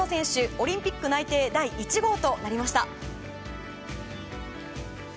オリンピック内定第１号となりました。